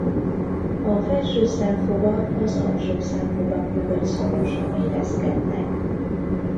A felső szemfogak az alsó szemfogak mögött szorosan illeszkednek.